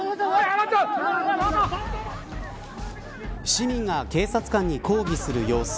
市民が警察官に抗議する様子。